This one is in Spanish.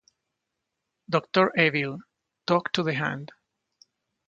Dr Evil: Talk to the hand.